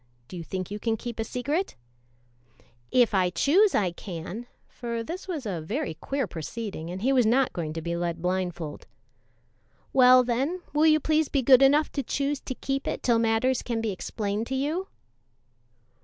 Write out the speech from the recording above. Do you think you can keep a secret?" "If I choose I can for this was a very queer proceeding, and he was not going to be led blindfold. "Well, then, will you please be good enough to choose to keep it till matters can be explained to you?"